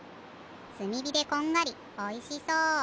すみびでこんがりおいしそう。